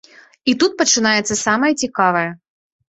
І тут пачынаецца самае цікавае.